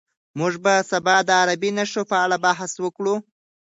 موږ به سبا د عربي نښو په اړه بحث وکړو.